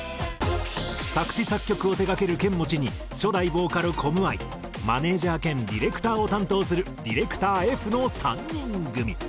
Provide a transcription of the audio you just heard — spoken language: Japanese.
作詞・作曲を手がけるケンモチに初代ボーカルコムアイマネージャー兼ディレクターを担当するＤｉｒ．Ｆの３人組。